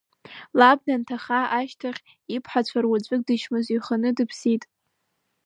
Лаб данҭаха ашьҭахь иԥҳацәа руаӡәк дычмазаҩханы дыԥсит.